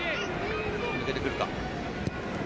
抜けてくるか。